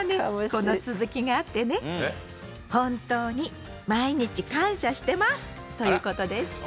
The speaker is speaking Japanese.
この続きがあってね「本当に毎日感謝してます」ということでした。